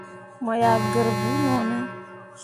Mo yah gǝr vuu no ne ?